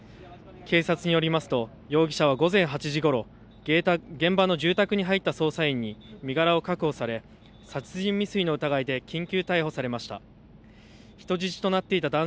警察によりますと容疑者は午前８時ごろ、現場の住宅に入った捜査員に身柄を確保され、殺人未遂の疑いで緊急逮捕されました。